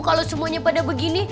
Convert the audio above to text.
kalau semuanya pada begini